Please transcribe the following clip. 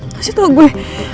kasih tau gue